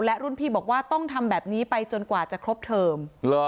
และรุ่นพี่บอกว่าต้องทำแบบนี้ไปจนกว่าจะครบเทิม